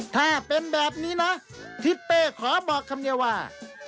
ถ้าเป็นแบบนี้นะทิศเป้ขอบอกคำเดียวว่า